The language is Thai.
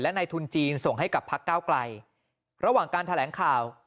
และในทุนจีนส่งให้กับพักเก้าไกลระหว่างการแถลงข่าว